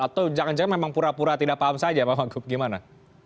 atau jangan jangan memang pura pura tidak paham saja pak wagub gimana